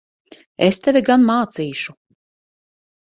Es tevi gan mācīšu!